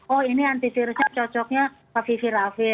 oh ini antivirusnya cocoknya